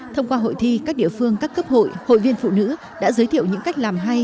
thông qua hội thi các địa phương các cấp hội hội viên phụ nữ đã giới thiệu những cách làm hay